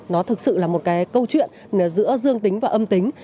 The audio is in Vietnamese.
nó thực sự là một cái câu chuyện giữa dương tính và âm tính